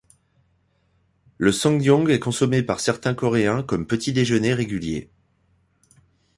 Le sungnyung est consommé par certains Coréens comme petit-déjeuner régulier.